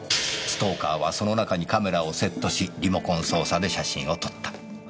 ストーカーはその中にカメラをセットしリモコン操作で写真を撮った。